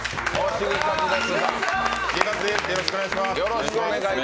よろしくお願いします。